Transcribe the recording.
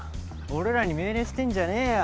俺らに命令してんじゃねえよ。